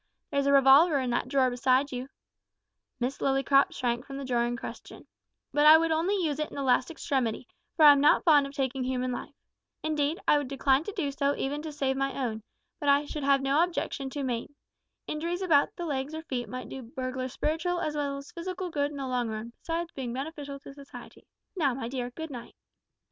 There's a revolver in that drawer beside you" Miss Lillycrop shrank from the drawer in question "but I would only use it in the last extremity, for I am not fond of taking human life. Indeed, I would decline to do so even to save my own, but I should have no objection to maim. Injuries about the legs or feet might do burglars spiritual as well as physical good in the long run, besides being beneficial to society. Now, my dear, good night."